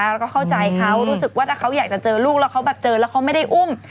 แล้วก็เข้าใจเขารู้สึกว่าถ้าเขาอยากจะเจอลูกแล้วเขาแบบเจอแล้วเขาไม่ได้อุ้ม